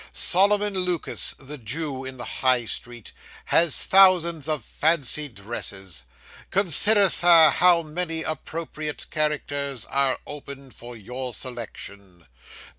'Solomon Lucas, the Jew in the High Street, has thousands of fancy dresses. Consider, Sir, how many appropriate characters are open for your selection.